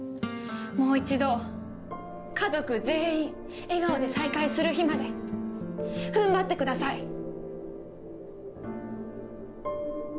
もう一度家族全員笑顔で再会する日まで踏ん張ってください。